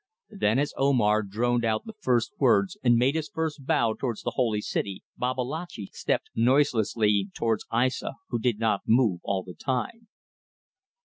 Then as Omar droned out the first words and made his first bow towards the Holy City, Babalatchi stepped noiselessly towards Aissa, who did not move all the time.